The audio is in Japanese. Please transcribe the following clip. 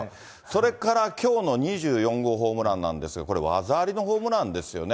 それから、きょうの２４号ホームランなんですが、これ、技ありのホームランですよね。